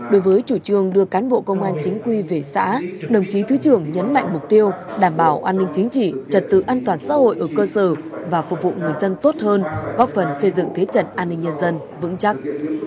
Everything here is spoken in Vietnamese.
đối với chủ trương đưa cán bộ công an chính quy về xã đồng chí thứ trưởng nhấn mạnh mục tiêu đảm bảo an ninh chính trị trật tự an toàn xã hội ở cơ sở và phục vụ người dân tốt hơn góp phần xây dựng thế trận an ninh nhân dân vững chắc